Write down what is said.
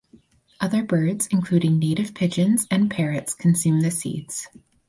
Other birds including native pigeons and parrots consume the seeds.